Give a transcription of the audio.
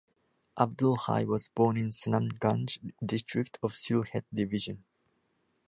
Abdul Hai was born in Sunamganj District of Sylhet Division.